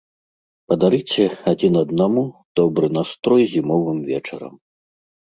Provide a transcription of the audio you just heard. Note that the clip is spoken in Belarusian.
Падарыце адзін аднаму добры настрой зімовым вечарам!